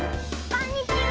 こんにちは。